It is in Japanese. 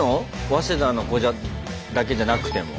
早稲田の子だけじゃなくても。